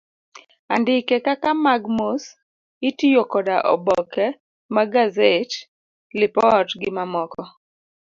Andike kaka mag mos itiyo koda oboke mag gazet, lipot, gi mamoko.